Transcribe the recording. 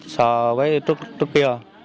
so với trước kia